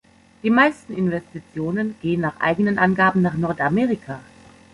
Die meisten Investitionen gehen nach eigenen Angaben nach Nordamerika.